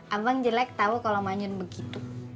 abang jelek tau kalo manyun begitu